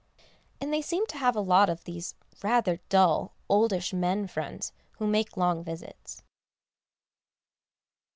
And they seem to have a lot of these rather dull, oldish men friends who make long visits.